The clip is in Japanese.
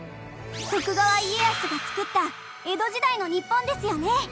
徳川家康がつくった江戸時代の日本ですよね？